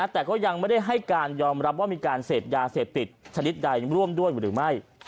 แต่ก็ยังไม่ได้ให้การยอมรับว่ามีการเสพยาเสพติดชนิดใดร่วมด้วยหรือไม่